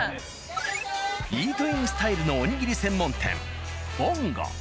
イートインスタイルのおにぎり専門店「ぼんご」。